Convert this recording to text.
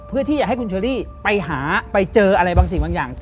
เพื่อที่อยากให้คุณเชอรี่ไปหาไปเจออะไรบางสิ่งบางอย่าง